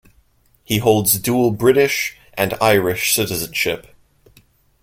He holds dual British and Irish citizenship.